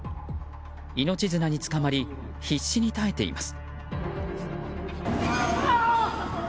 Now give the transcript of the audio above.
命綱につかまり必死に耐えています。